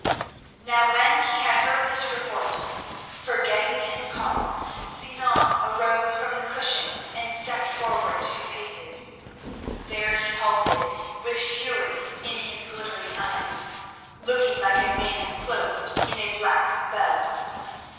Now when he had heard this report, forgetting his calm, Sinan arose from the cushion and stepped forward two paces. There he halted, with fury in his glittering eyes, looking like a man clothed in a black bell.